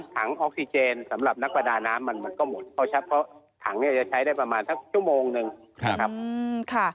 ถังออกซิเจนสำหรับนักประดาน้ำมันมันก็หมดเพราะถังเนี่ยจะใช้ได้ประมาณสักชั่วโมงหนึ่งนะครับ